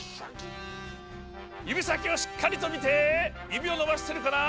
ゆびさきをしっかりとみてゆびをのばしてるかな？